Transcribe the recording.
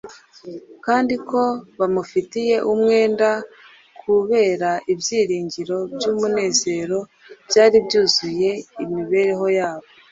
kandi ko bamufitiye umwenda kubera ibyiringiro by’umunezero byari byuzuye imibereho yabo